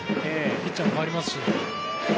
ピッチャーも変わりますし。